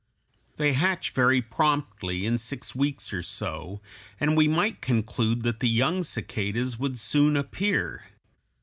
They hatch very promptly in six weeks or so, and we might conclude that the young cicadas would soon appear.